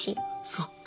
そっか。